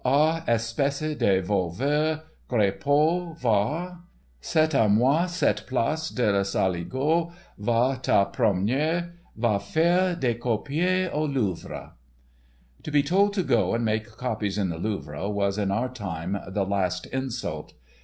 Ah, espece de volveur, crapaud, va; c'est a moi cette place la Saligaud va te prom'ner, va faire des copies au Louvre._" To be told to go and make copies in the Louvre was in our time the last insult.